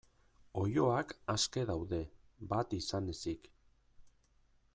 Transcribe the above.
Oiloak aske daude, bat izan ezik.